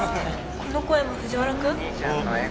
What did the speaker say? この声も藤原くん？